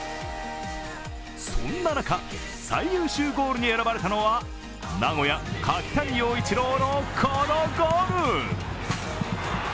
そんな中、最優秀ゴールに選ばれたのは名古屋・柿谷曜一朗のこのゴール！